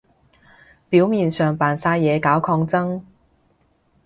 表面上扮晒嘢搞抗爭